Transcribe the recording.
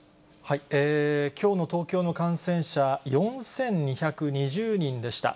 きょうの東京の感染者、４２２０人でした。